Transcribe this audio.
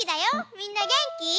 みんなげんき？